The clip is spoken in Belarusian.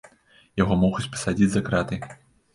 Яго могуць пасадзіць за краты.